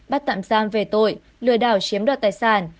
bắt tạm giam về tội lừa đảo chiếm đoạt tài sản